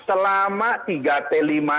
selama tiga t lima